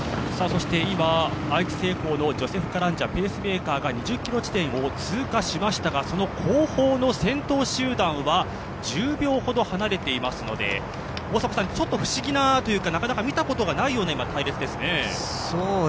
そして、今ジョセフ・カランジャペースメーカーが２０ｋｍ地点を通過しましたが後方の先頭集団は１０秒ほど離れていますので、ちょっと不思議なというか、なかなか見たことがないような隊列ですね。